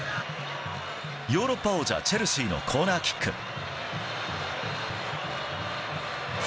ヨーロッパ王者チェルシーのコーナーキック。